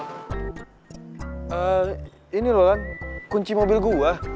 yaudah ya ma berapa